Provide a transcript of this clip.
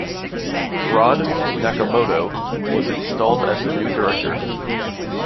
Rod Nakamoto was installed as the new director.